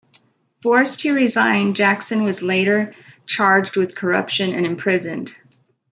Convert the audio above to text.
Forced to resign, Jackson was later charged with corruption and imprisoned.